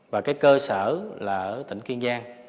và cái cơ sở là ở tỉnh kiên giang